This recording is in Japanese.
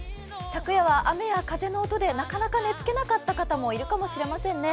昨夜は雨や風の音でなかなか寝つけなかった方もいるかもしれませんね。